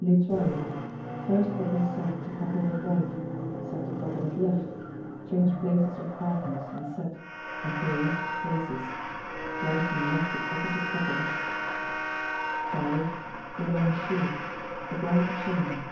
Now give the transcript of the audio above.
L'Étoile. First couple set to couple at right set to couple at left change places with partners, and set, and pirouette to places right and left with opposite couple, v. Les Lanciers. The grand chain.